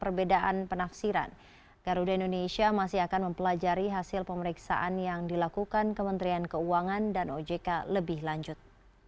perbedaan penafsiran garuda indonesia masih akan mempelajari hasil pemeriksaan yang dilakukan kementerian keuangan dan ojk lebih lanjut